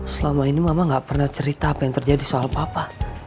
selama ini mama gak pernah cerita apa yang terjadi soal apa apa